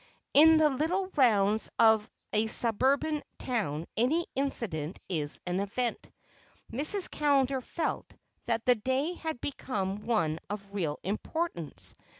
In the little rounds of a suburban town any incident is an event. Mrs. Callender felt that the day had become one of real importance.